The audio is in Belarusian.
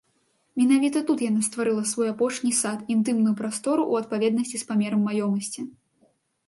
Менавіта тут яна стварыла свой апошні сад, інтымную прастору ў адпаведнасці з памерам маёмасці.